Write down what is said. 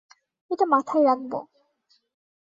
এটা মাথায় রাখব।